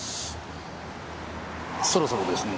そろそろですね。